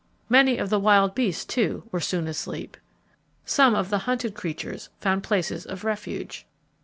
Many of the wild beasts, too, were soon asleep. Some of the hunted creatures found places of refuge.